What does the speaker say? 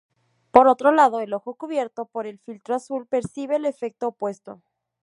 Por otro lado, el ojo cubierto por el filtro azul percibe el efecto opuesto.